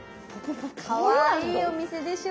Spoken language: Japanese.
かわいいお店でしょ？